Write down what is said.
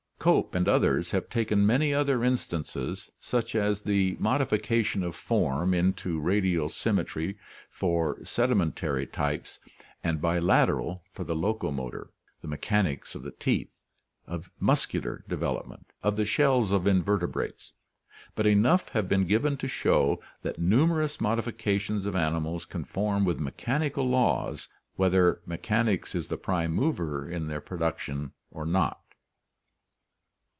Cope and others have taken many other instances, such as the modification of form into radial symmetry for sedimentary types and bilateral for the locomotor, the mechanics of the teeth, of muscular development, of the shells of invertebrates; but enough have been given to show that numerous modifications of animals conform with mechanical laws whether mechanics is the prime mover in their production or not.